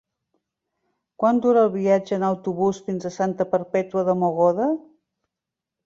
Quant dura el viatge en autobús fins a Santa Perpètua de Mogoda?